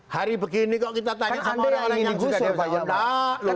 hari begini kok kita tanya